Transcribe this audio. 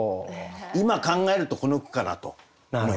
今考えるとこの句かなと思います。